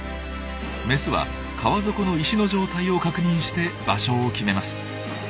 メスは川底の石の状態を確認して場所を決めます。